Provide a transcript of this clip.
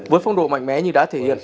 với phong độ mạnh mẽ như đã thể hiện